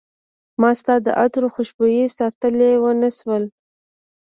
ما ستا د عطرو خوشبوي ساتلی ونه شوله